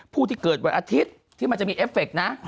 ผู้ที่เกิดวันอาทิตย์ที่มันจะมีเอฟเฟคนะ